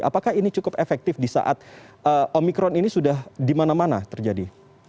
apakah ini cukup efektif di saat omikron ini sudah di mana mana terjadi